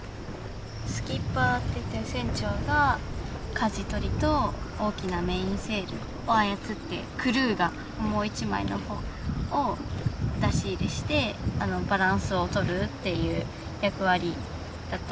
スキッパーっていって船長が舵取りと大きなメインセールを操ってクルーがもう一枚の帆を出し入れしてバランスをとるっていう役割だったり。